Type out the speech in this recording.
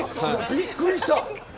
びっくりした。